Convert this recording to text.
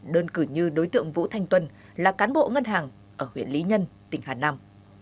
đơn cử như đối tượng vũ thanh tuân là cán bộ ngân hàng ở huyện lý nhân tỉnh hà nam